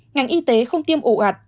ngành y tế không tiêm ổ ạt